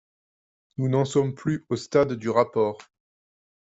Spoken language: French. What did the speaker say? Nous n’en sommes plus au stade du rapport.